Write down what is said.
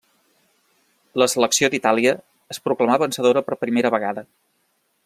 La selecció d'Itàlia es proclamà vencedora per primera vegada.